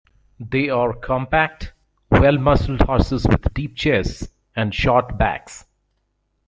They are compact, well-muscled horses with deep chests and short backs.